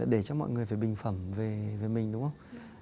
để cho mọi người phải bình phẩm về mình đúng không